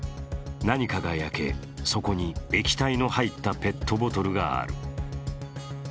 何かが焼け、そこに液体の入ったペットボトルがある。